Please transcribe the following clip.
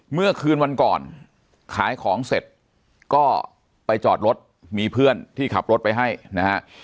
เมื่อคืนวันก่อนขายของเสร็จก็ไปจอดรถมีเพื่อนที่ขับรถไปให้นะฮะ